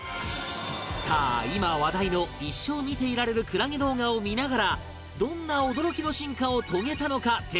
さあ今話題の一生見ていられるクラゲ動画を見ながらどんな驚きの進化を遂げたのか徹底授業！